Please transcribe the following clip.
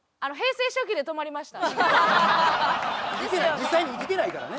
実際に生きてないからね。